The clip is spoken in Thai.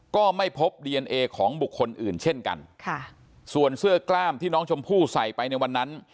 ก็ไม่พบดีเอนเอของบุคคลอื่นเช่นกันค่ะส่วนเสื้อกล้ามที่น้องชมพู่ใส่ไปในวันนั้น